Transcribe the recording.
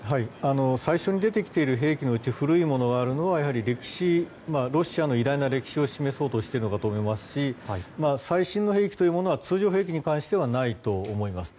最初に出てきてる兵器のうち古いものがあるのはロシアの偉大な歴史を示そうとしていると思いますし最新の兵器というものは通常兵器に関してはないと思います。